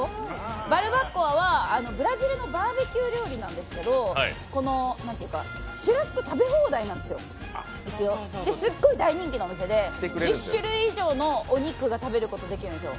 ＢＡＲＢＡＣＯＡはブラジルのバーベキュー料理なんですけどシュラスコ食べ放題なんですよ、すっごい大人気のお店で１０種類以上のお肉を食べることができるんですよ。